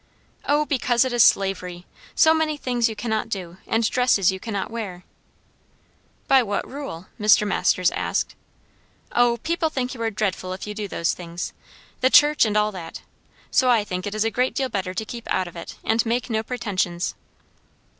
"O, because it is slavery. So many things you cannot do, and dresses you cannot wear." "By what rule?" Mr. Masters asked. "O, people think you are dreadful if you do those things; the Church, and all that. So I think it is a great deal better to keep out of it, and make no pretensions."